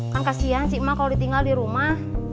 kan kasian sih emak kalau ditinggal di rumah